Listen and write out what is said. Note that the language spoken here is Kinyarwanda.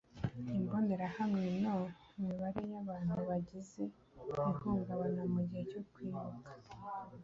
Imbonerahamwe No Imibare y abantu bagize ihungabana mu gihe cyo kwibuka